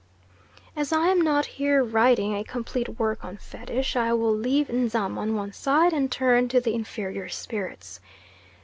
As I am not here writing a complete work on Fetish I will leave Nzam on one side, and turn to the inferior spirits.